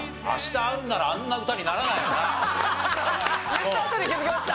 言ったあとに気づきました。